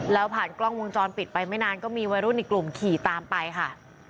แล้วผ่านกล้องวงจรปิดไปไม่นานก็มีวัยรุ่นอีกกลุ่มขี่ตามไปค่ะ